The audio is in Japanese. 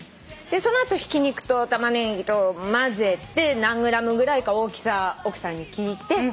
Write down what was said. その後ひき肉とタマネギと交ぜて何ｇぐらいか大きさ奥さんに聞いて。